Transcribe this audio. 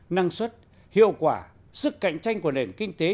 năng suất hiệu quả sức cạnh tranh của nền kinh tế